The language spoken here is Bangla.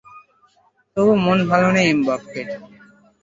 তবু মন ভালো নেই এমবাপ্পের।